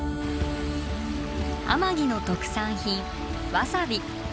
天城の特産品わさび。